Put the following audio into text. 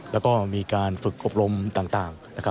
แล้วก็มีการฝึกอบรมต่าง